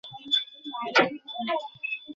তুমি একটি পাপী, আর তুমি নরকে যাবে।